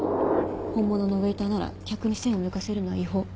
本物のウエーターなら客に栓を抜かせるのは違法。